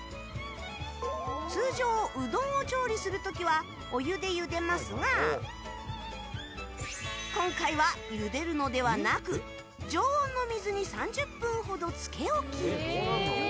通常、うどんを調理する時はお湯でゆでますが今回は、ゆでるのではなく常温の水に３０分ほどつけ置き。